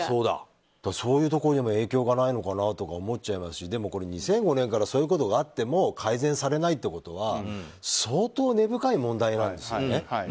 そういうところにも影響がないのかなとか思っちゃいますしでも、これ２００５年からそういうことがあっても改善されないということは相当根深い問題ですよね。